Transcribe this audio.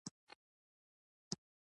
اقتصادي وده کولای شي چې ستونزې هوارې کړي.